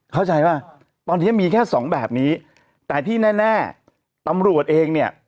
เข้าใจป่ะตอนนี้มีแค่สองแบบนี้แต่ที่แน่แน่ตำรวจเองเนี่ย